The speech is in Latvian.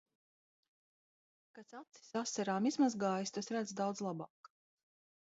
Kas acis asarām izmazgājis, tas redz daudz labāk.